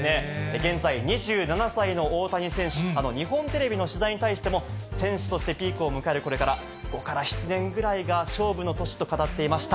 現在２７歳の大谷選手、日本テレビの取材に対しても、選手としてピークを迎えるこれから、ここから７年ぐらいが勝負の年と語っていました。